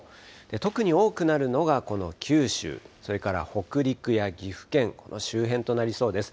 特に多くなるのがこの九州、それから北陸や岐阜県、この周辺となりそうです。